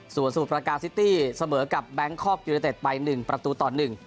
ส่วนสมุทรประกาศซิตี้เสมอกับแบงค์ครอบยูนิเตศไป๑ประตูต่อ๑